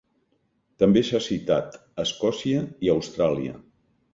També s'ha citat a Escòcia i a Austràlia.